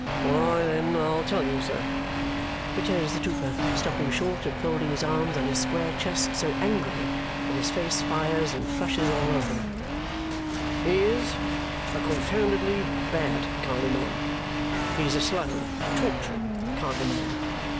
"Why, then I'll tell you, sir," returns the trooper, stopping short and folding his arms on his square chest so angrily that his face fires and flushes all over; "he is a confoundedly bad kind of man. He is a slow torturing kind of man.